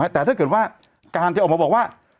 แต่ถ้าเกิดว่าการจะออกมาบอกว่า